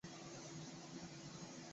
马斯基埃。